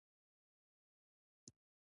څوک سپېرې شونډي وتلي د چا ډکي پیمانې دي